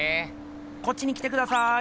こっちに来てください。